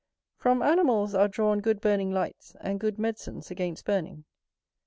From animals are drawn good burning lights, and good medicines against burning.